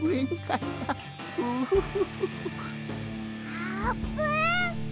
あーぷん。